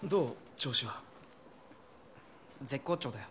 調子は絶好調だよ